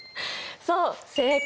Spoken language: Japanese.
そう正解。